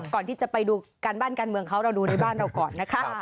ก่อนที่จะไปดูการบ้านการเมืองเขาเราดูในบ้านเราก่อนนะคะ